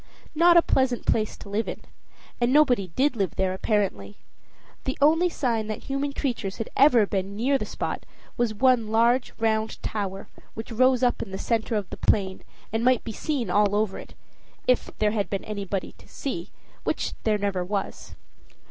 Not a pleasant place to live in and nobody did live there, apparently. The only sign that human creatures had ever been near the spot was one large round tower which rose up in the center of the plain, and might be seen all over it if there had been anybody to see, which there never was.